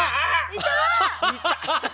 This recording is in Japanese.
いた！